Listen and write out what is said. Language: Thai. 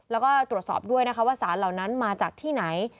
แล้วก็ตรวจสอบด้วยนะคะว่าสารเหล่านั้นมาจากที่ไหน